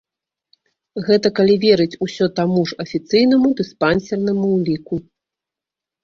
Гэта калі верыць усё таму ж афіцыйнаму дыспансернаму ўліку.